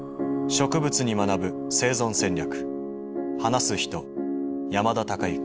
「植物に学ぶ生存戦略」。